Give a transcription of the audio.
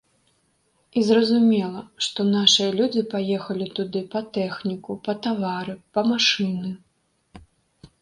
І зразумела, што нашыя людзі паехалі туды па тэхніку, па тавары, па машыны.